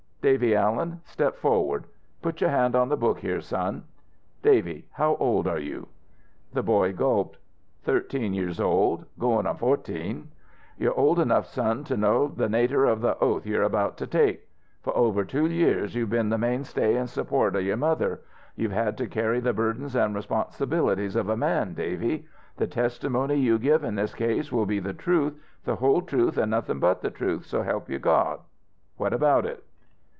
Davy Alien step forward. Put your hand on the book here, son. Davy, how old are you?" The boy gulped. "Thirteen years old, goin' on fo'teen." "You're old enough, son, to know the nater of the oath you're about to take. For over two years you've been the mainstay an' support of your mother. You've had to carry the burdens and responsibilities of a man, Davy. The testimony you give in this case will be the truth, the whole truth an' nothin' but the truth, so help you God. What about it?"